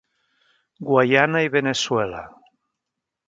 Guaiana i Veneçuela.